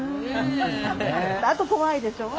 あと怖いでしょう？